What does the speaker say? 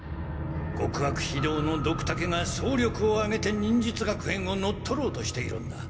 極悪非道のドクタケが総力をあげて忍術学園を乗っ取ろうとしているんだ。